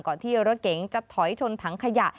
ที่รถเก๋งจะถอยชนถังขยะ